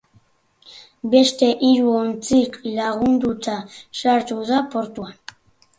Beste hiru ontzik lagunduta sartu da portuan.